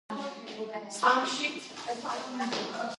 იტალიელებმა პარაგვაის განვითარებაში მნიშვნელოვანი წვლილი შეიტანეს.